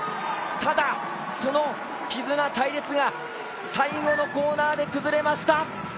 ただ、その絆、隊列が最後のコーナーで崩れました！